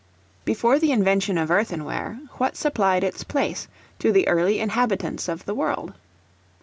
Before the invention of Earthenware, what supplied its place to the early inhabitants of the world?